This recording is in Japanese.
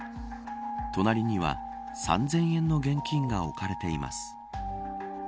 隣には３０００円の現金が置かれています。